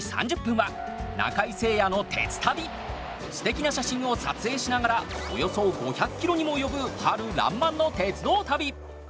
すてきな写真を撮影しながらおよそ５００ｋｍにも及ぶ春らんまんの鉄道旅。